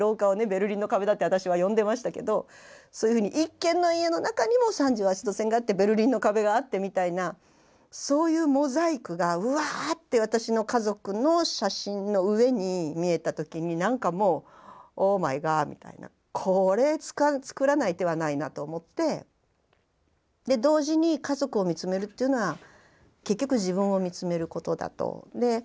ベルリンの壁だって私は呼んでましたけどそういうふうに１軒の家の中にも３８度線があってベルリンの壁があってみたいなそういうモザイクがわって私の家族の写真の上に見えた時に何かもうオーマイガーみたいなこれ作らない手はないなと思ってで同時に家族を見つめるっていうのは結局自分を見つめることだと。